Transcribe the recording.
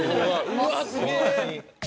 うわあ、すげえ。